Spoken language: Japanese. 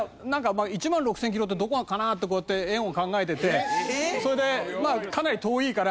１万６０００キロってどこかなってこうやって円を考えててそれでまあかなり遠いから。